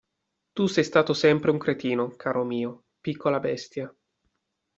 Tu sei stato sempre un cretino, caro mio, piccola bestia.